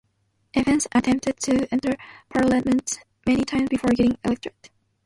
Evans attempted to enter Parliament many times before getting elected.